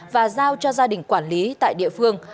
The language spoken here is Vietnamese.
và giao cho gia đình quản lý tại địa phương